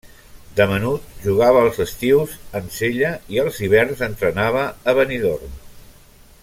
De menut, jugava als estius en Sella i els hiverns entrenava a Benidorm.